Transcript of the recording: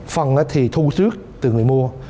phần thì thu xước từ người mua